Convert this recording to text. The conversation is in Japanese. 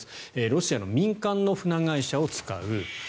ロシアの民間の船会社を使う。